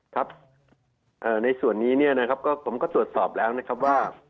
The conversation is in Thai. ครับในส่วนนี้เนี่ยนะครับผมก็ตรวจสอบแล้วนะครับว่า